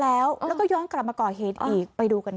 แต่อีกคนนึงคือวินแบบวินเลย